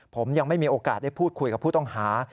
ผมยังไม่มีโอกาสได้พูดคุยกับผู้ต้องหา